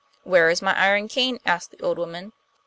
'Where is my iron cane?' asked the old woman.